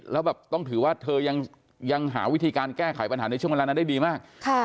แล้วแบบต้องถือว่าเธอยังหาวิธีการแก้ไขปัญหาในช่วงเวลานั้นได้ดีมาก